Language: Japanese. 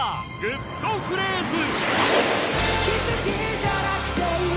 グッとフレーズ」